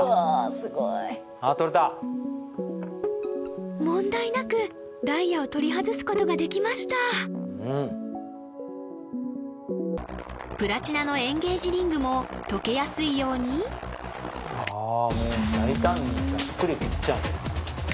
すごいああ取れた問題なくダイヤを取り外すことができましたプラチナのエンゲージリングも溶けやすいようにああもう大胆にざっくり切っちゃうんだ